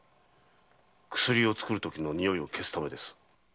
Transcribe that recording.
薬を作るときの臭いを消すためです。